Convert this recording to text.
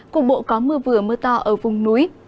cục bộ có mưa vừa mưa to ở vùng núi